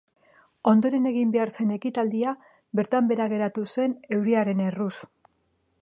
Ondoren egin behar zen ekitaldia bertan behera geratu zen euriaren erruz.